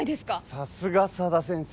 さすが佐田先生